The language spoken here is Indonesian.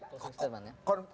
konsep statement ya